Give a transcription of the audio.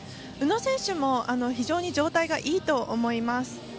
宇野選手も非常に状態がいいと思います。